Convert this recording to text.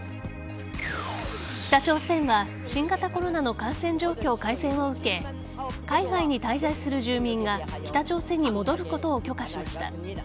北朝鮮は新型コロナの感染状況改善を受け海外に滞在する住民が北朝鮮に戻ることを許可しました。